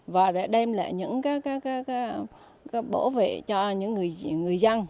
và đem lại những bổ vệ cho những người dân